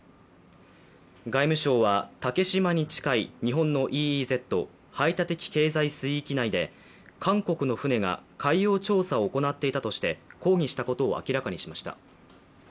外務省は竹島に近い日本のＥＥＺ＝排他的経済水域内で韓国の船が海洋調査を行っていたとして抗議したことを明らかにしました。